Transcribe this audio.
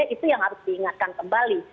itu yang harus diingatkan kembali